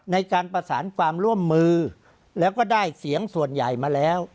ในการประสานความร่วมมือแล้วก็ได้เสียงส่วนใหญ่มาแล้ว